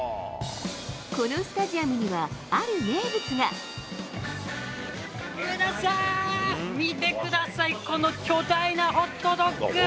このスタジアムには、ある名上田さん、見てください、この巨大なホットドッグ。